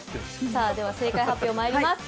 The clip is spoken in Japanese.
では、正解発表に参ります。